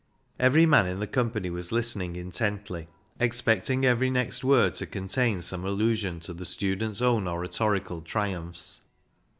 Every man in the company was listening intently, expecting every next word to contain some allusion to the student's own oratorical triumphs.